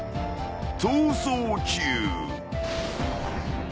［逃走中］